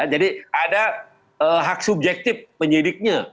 jadi ada hak subjektif penyidiknya